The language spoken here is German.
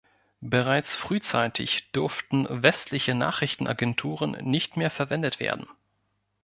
Bereits frühzeitig durften westliche Nachrichtenagenturen nicht mehr verwendet werden.